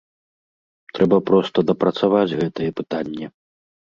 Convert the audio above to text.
Трэба проста дапрацаваць гэтае пытанне.